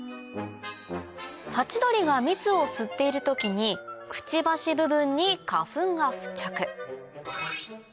ハチドリが蜜を吸っている時にくちばし部分に花粉が付着を促します